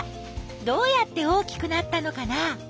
どうやって大きくなったのかな？